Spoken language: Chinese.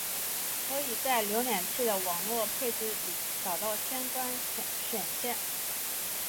可以在浏览器的网络配置里找到相关选项。